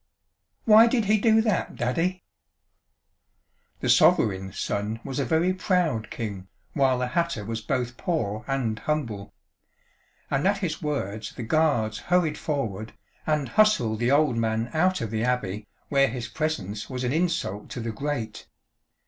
'" "Why did he do that, Daddy?" "The Sovereign, Son, was a very proud king, while the hatter was both poor and humble. And at his words the guards hurried forward and hustled the old man out of the Abbey, where his presence was an insult to the Great.